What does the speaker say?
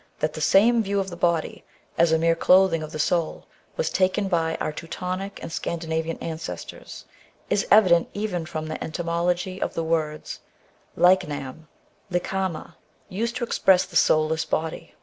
That the same view of the body as a mere clothing of the soul was taken by our Teutonic and Scandinavian ancestors, is evident even from the etymology of the words leichnam, likhama, used to express the soulless body.